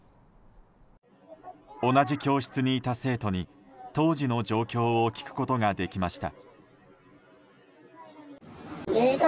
同じ教室にいた生徒に当時の状況を聞くことができました。